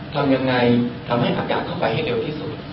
ทำยังไงทำให้อากาศเข้าไปให้เร็วที่สุด